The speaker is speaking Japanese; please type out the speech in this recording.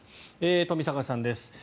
冨坂さんです。